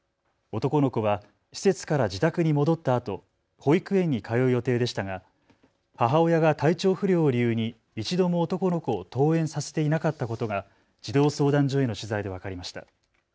男の子は施設から自宅に戻ったあと、保育園に通う予定でしたが母親が体調不良を理由に一度も男の子を登園させていなかったことが児童相談所への取材で分かりました。